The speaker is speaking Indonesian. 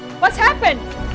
apa yang terjadi